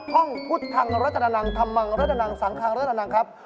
ห้องพุทธทางรัฐนาลังค์ธรรมังรัฐนาลังค์สังทางรัฐนาลังค์ครับ